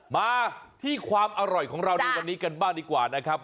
มาที่ความอร่อยของเราในวันนี้กันบ้างดีกว่านะครับ